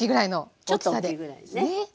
ちょっと大きいぐらいですね。